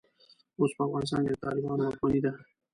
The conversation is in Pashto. اوس په افغانستان کې د طالبانو واکمني ده.